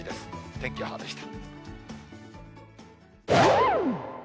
天気予報でした。